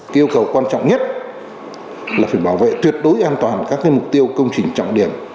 yêu cầu quan trọng nhất là phải bảo vệ tuyệt đối an toàn các mục tiêu công trình trọng điểm